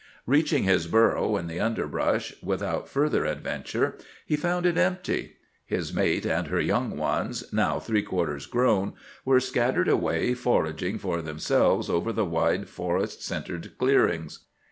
Reaching his burrow in the underbrush without further adventure, he found it empty. His mate and her young ones—now three quarters grown—were scattered away foraging for themselves over the wide, forest scented clearings.